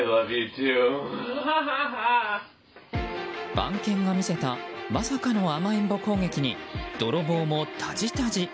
番犬が見せたまさかの甘えんぼ攻撃に泥棒もたじたじ。